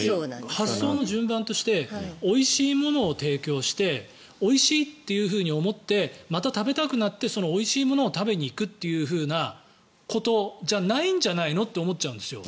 発想の順番としておいしいものを提供しておいしいって思ってまた食べたくなってそのおいしいものを食べに行くということじゃないんじゃないのって思っちゃうんですよ。